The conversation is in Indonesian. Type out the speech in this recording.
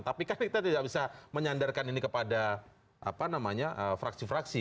tapi kan kita tidak bisa menyandarkan ini kepada fraksi fraksi